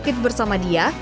di sakit bersama dia